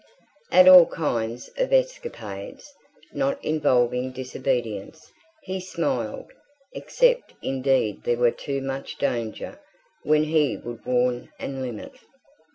At all kinds of escapades, not involving disobedience, he smiled, except indeed there were too much danger, when he would warn and limit.